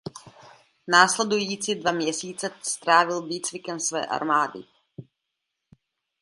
Následující dva měsíce strávil výcvikem své armády.